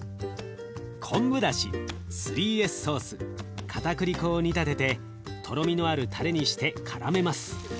昆布だし３Ｓソースかたくり粉を煮立ててとろみのあるたれにしてからめます。